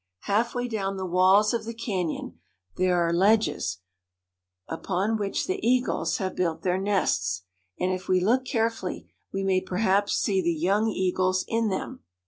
Halfway down the walls of the can yon there are ledges upon which the eagles have built their nests ; and if we look care fully we may perhaps see the young eagles in them.